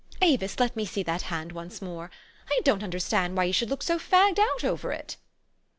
Avis, let me see that hand once more. I don't understand why you should look so fagged out over it."